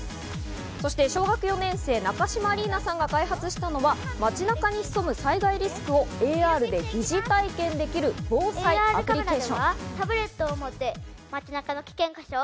小学４年生・中島莉衣奈さんが開発したのは、街中に潜む災害リスクをＡＲで疑似体験できる防災アプリケーション。